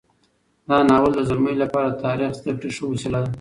دا ناول د زلمیو لپاره د تاریخ زده کړې ښه وسیله ده.